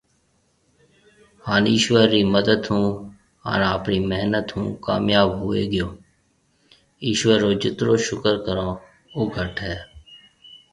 هان ايشور رِي مدد هون هان آپري محنت ھونهُون ڪامياب هوئي گيو ايشور رو جترو شڪر ڪرون او گھٽ هي